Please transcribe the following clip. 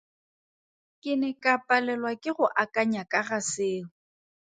Ke ne ke palelwa ke go akanya ka ga seo.